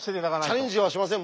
チャレンジはしません